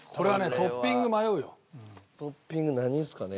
トッピング迷うよ。